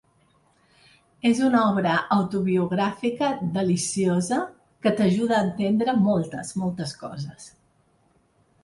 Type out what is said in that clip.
És una obra autobiogràfica deliciosa que t’ajuda a entendre moltes, moltes coses.